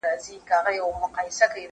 زه بايد پلان جوړ کړم؟!